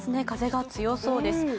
風が強そうです。